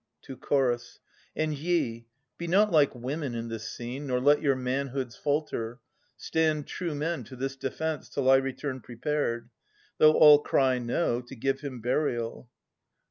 (To Chorus) And ye, be not like women in this scene. Nor let your manhoods falter ; stand true men To this defence, till I return prepared, Though all cry No, to give him burial.